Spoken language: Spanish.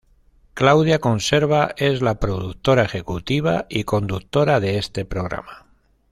Claudia Conserva es la productora ejecutiva y conductora de este programa.